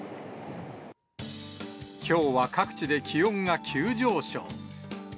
きょうは各地で気温が急上昇。